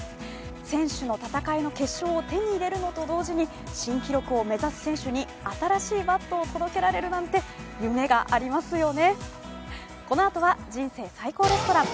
選手の戦いの結晶を手に入れるのと同時に新記録を目指す選手に新しいバットを届けられるなんて夢がありますよね、このあとは「人生最高レストラン」。